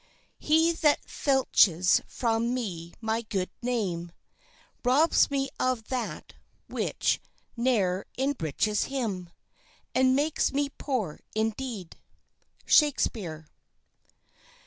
] "He that filches from me my good name Robs me of that which ne'er enriches him, And makes me poor indeed." —SHAKESPEARE.